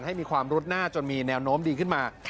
ให้มีความรุดหน้าจนมีแนวโน้มดีขึ้นมา